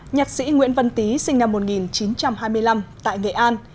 nhạc sĩ nguyễn văn tý sinh năm một nghìn chín trăm hai mươi năm tại nghệ an